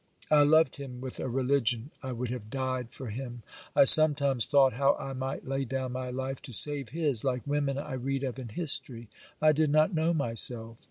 I loved him with a religion. I would have died for him; I sometimes thought how I might lay down my life to save his, like women I read of in history. I did not know myself.